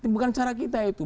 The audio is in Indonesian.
bukan cara kita itu